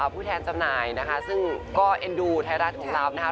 ผู้แทนจำหน่ายนะคะซึ่งก็เอ็นดูไทยรัฐของเรานะคะ